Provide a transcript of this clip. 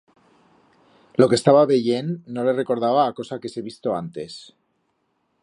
Lo que estaba veyend no le recordaba a cosa que hese visto antes.